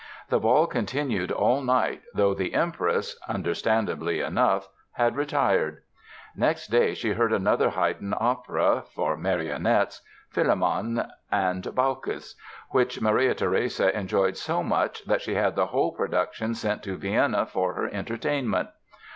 The ball continued all night, though the Empress—understandably enough—had retired. Next day she heard another Haydn opera (for marionettes), "Philemon and Baucis", which Maria Theresia enjoyed so much that she had the whole production sent to Vienna for her entertainment.